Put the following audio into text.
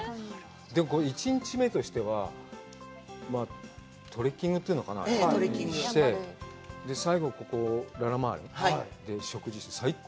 １日目としては、トレッキングと言うのかな、して、最後ここララマーレで食事、最高。